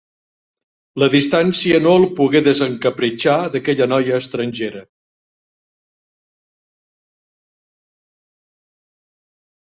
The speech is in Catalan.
La distància no el pogué desencapritxar d'aquella noia estrangera.